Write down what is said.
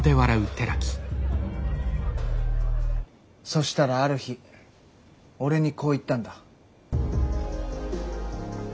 そしたらある日俺にこう言ったんだ。